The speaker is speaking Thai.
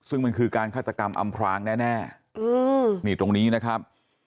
ซึ่งมันคือการฆาตกรรมอำพรางแน่นี่ตรงนี้นะครับ